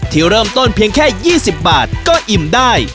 ที่เริ่มต้นเพียงแค่๒๐บาทก็อิ่มได้